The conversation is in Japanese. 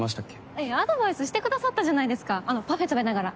いやアドバイスしてくださったじゃないですかあのパフェ食べながら。